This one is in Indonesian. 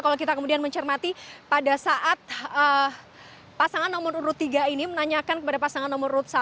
kalau kita kemudian mencermati pada saat pasangan nomor urut tiga ini menanyakan kepada pasangan nomor satu